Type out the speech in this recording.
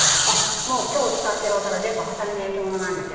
今日使ってるお皿全部波佐見の焼き物なんですよ。